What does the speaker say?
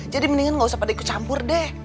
jadi mendingan gak usah pada ikut campur deh